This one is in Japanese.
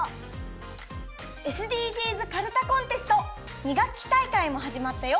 ＳＤＧｓかるたコンテスト２学期大会もはじまったよ。